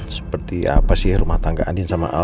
seperti apa sih rumah tangga andin sama